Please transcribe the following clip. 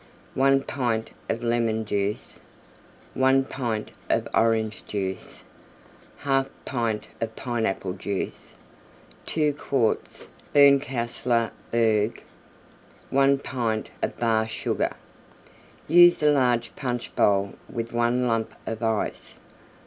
1 pint of Lemon Juice. 1 pint of Orange Juice. 1/2 pint of Pineapple Juice. 2 quarts Berncastler Berg. 1 pint of Bar Sugar. Use a large Punch bowl with one Lump of Ice.